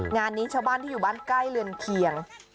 งานนี้ชาวบ้านที่อยู่บ้านใกล้เรือนเคียง